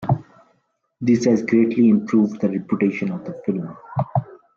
This has greatly improved the reputation of the film.